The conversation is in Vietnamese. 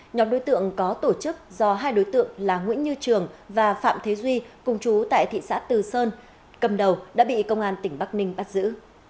nhóm đối tượng có tổ chức do hai đối tượng là nguyễn như trường và phạm thế duy cùng chú tại thị xã từ sơn cầm đầu đã bị công an tỉnh bắc ninh bắt giữ